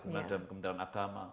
kemudian kemudian agama